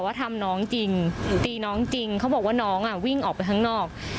ทำน้องจริงหรือตีน้องจริงเขาบอกว่าน้องอ่ะวิ่งออกไปข้างนอก